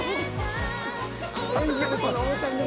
エンゼルスの大谷の人形。